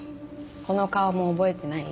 この顔も覚えてない？